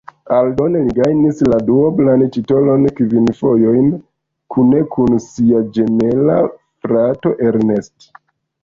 Aldone li gajnis la duoblan titolon kvin fojojn kune kun sia ĝemela frato Ernest.